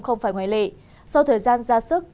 không phải ngoài lệ sau thời gian ra sức